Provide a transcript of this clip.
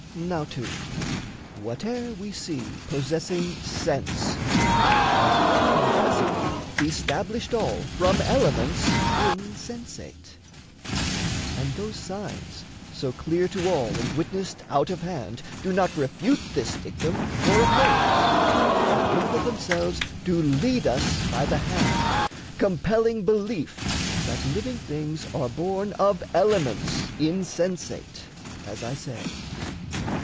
Now, too: whate'er we see possessing sense Must yet confessedly be stablished all From elements insensate. And those signs, So clear to all and witnessed out of hand, Do not refute this dictum nor oppose; But rather themselves do lead us by the hand, Compelling belief that living things are born Of elements insensate, as I say.